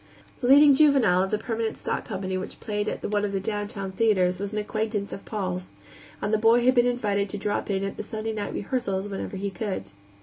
The leading juvenile of the permanent stock company which played at one of the downtown theaters was an acquaintance of Paul's, and the boy had been invited to drop in at the Sunday night rehearsals whenever he could.